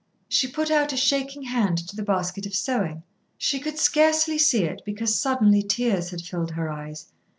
She put out a shaking hand to the basket of sewing. She could scarcely see it, because suddenly tears had filled her eyes.